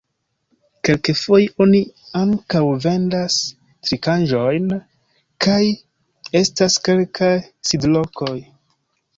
Kelkfoje oni ankaŭ vendas trinkaĵojn kaj estas kelkaj sidlokoj.